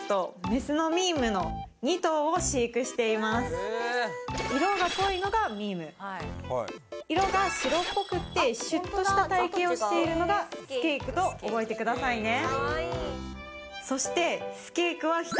当園では色が濃いのがミーム色が白っぽくってシュッとした体形をしているのがスケイクと覚えてくださいね